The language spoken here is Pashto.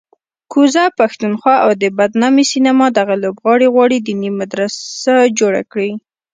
کوزه پښتونخوا کې د بدنامې سینما دغه لوبغاړی غواړي دیني مدرسه جوړه کړي